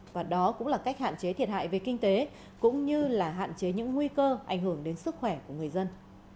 và đó cũng là cách hạn chế thiệt hại về kinh tế cũng như là hạn chế những nguy cơ ảnh hưởng đến sức khỏe của người dân